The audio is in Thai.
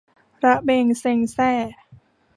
ระเบ็งเซ็งแซ่